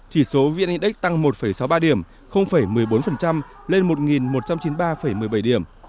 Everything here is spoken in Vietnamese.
chỉ số vn index tăng một sáu mươi ba điểm một mươi bốn lên một một trăm chín mươi ba một mươi bảy điểm